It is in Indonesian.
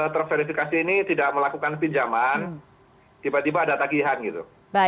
terverifikasi ini tidak melakukan pinjaman tiba tiba ada tagihan gitu